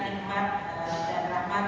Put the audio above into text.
saya ingin memberi kesempatan